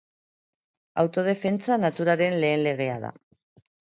Autodefentsa naturaren lehen legea da.